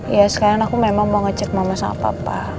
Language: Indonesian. ya sekarang aku memang mau ngecek mama sama papa